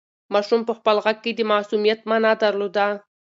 ماشوم په خپل غږ کې د معصومیت مانا درلوده.